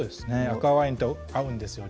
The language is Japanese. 赤ワインと合うんですよ